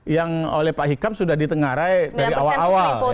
yang oleh pak hikam sudah ditengarai dari awal awal